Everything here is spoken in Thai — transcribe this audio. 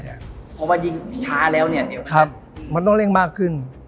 เพราะว่ายิ่งช้าแล้วเนี่ยมันต้องเร่งมากขึ้น